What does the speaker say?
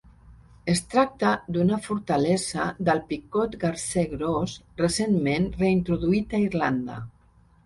Es tracta d'una fortalesa del picot garser gros, recentment reintroduït a Irlanda.